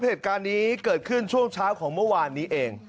เหตุการณ์นี้เกิดขึ้นช่วงเช้าของเมื่อวานนี้เอง